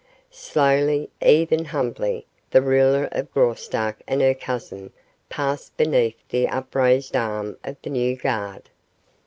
Slowly, even humbly, the ruler of Graustark and her cousin passed beneath the upraised arm of the new guard.